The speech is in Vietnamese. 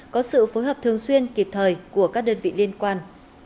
có sự phối hợp thường xuyên kịp thời của các đơn vị liên quan